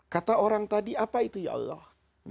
kata orang tadi apa itu ya allah